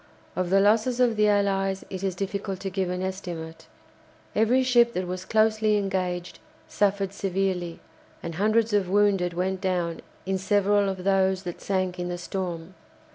Of the losses of the Allies it is difficult to give an estimate. Every ship that was closely engaged suffered severely, and hundreds of wounded went down in several of those that sank in the storm.